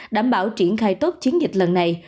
đảm bảo triển khai tốt chiến dịch lần này